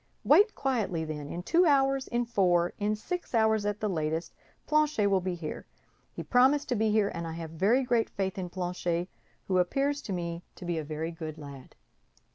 Wait quietly, then; in two hours, in four, in six hours at latest, Planchet will be here. He promised to be here, and I have very great faith in Planchet, who appears to me to be a very good lad."